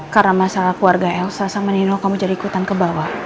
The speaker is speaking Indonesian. karena masalah keluarga elsa sama nino kamu jadi ikutan ke bawah